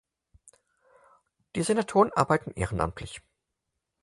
Die Senatoren arbeiten ehrenamtlich.